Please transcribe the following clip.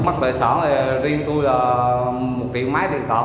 mắc tài sản thì riêng tôi là một triệu máy tiền cọp